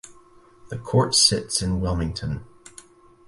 The Court sits in Wilmington.